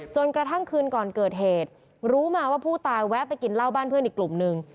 จนกระทั่งคืนก่อนเกิดเหตุรู้มาว่าผู้ตายแวะไปกินเหล้าบ้านเพื่อนอีกกลุ่มนึง